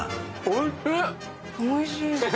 おいしい。